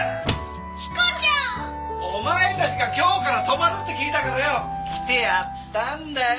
彦ちゃん！お前たちが今日から泊まるって聞いたからよ来てやったんだよ